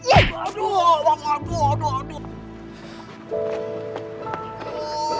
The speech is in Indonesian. aduh aduh aduh aduh